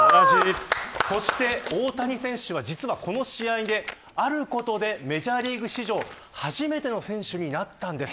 そして大谷選手は実はこの試合であることでメジャーリーグ史上初めての選手になったんです。